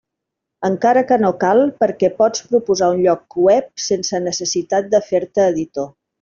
Encara que no cal, perquè pots proposar un lloc web, sense necessitat de fer-te editor.